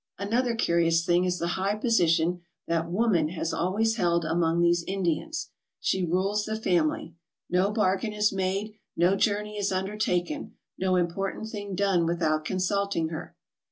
Another curious thing is the high position that woman has always held among these Indians. She rules the family. No bargain is made, no journey is undertaken, no important thing done without consulting her.